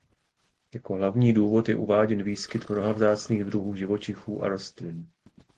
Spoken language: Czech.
Jako hlavní důvod je uváděn výskyt mnoha vzácných druhů živočichů a rostlin.